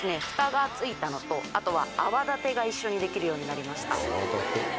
フタがついたのとあとは泡立てが一緒にできるようになりました。